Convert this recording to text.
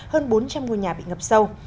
hơn bốn trăm linh ngôi nhà bị ngập sâu